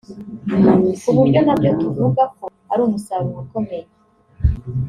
ku buryo na byo tuvuga ko ari umusaruro ukomeye